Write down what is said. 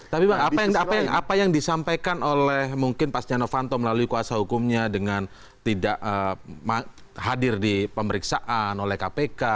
tapi bang apa yang disampaikan oleh mungkin pak stiano fanto melalui kuasa hukumnya dengan tidak hadir di pemeriksaan oleh kpk